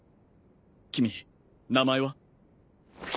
君名前は？